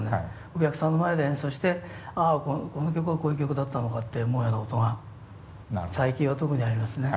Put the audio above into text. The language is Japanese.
お客さんの前で演奏して「ああこの曲はこういう曲だったのか」って思うようなことが最近は特にありますね。